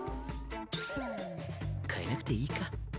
替えなくていいか。